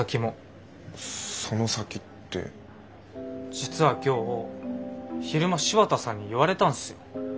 実は今日昼間柴田さんに言われたんすよ。